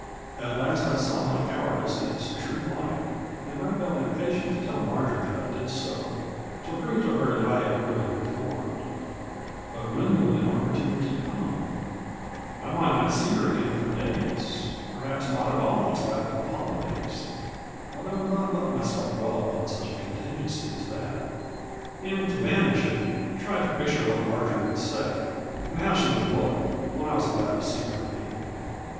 At last I saw my cowardice in its true light, and I felt impatient to tell Marjory that I did so, to prove to her that I had really reformed : but when would an opportunity come ? I might not see her again for days, perhaps not at all till after the holidays, but I would not let myself dwell upon such a contingency as that, and, to banish it, tried to picture what Marjory woxdd say, and how she would look, when I was allowed to see her again.